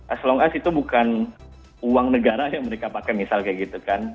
as long us itu bukan uang negara yang mereka pakai misal kayak gitu kan